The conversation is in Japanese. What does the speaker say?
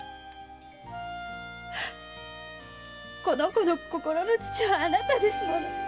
この子の心の父はあなたですもの。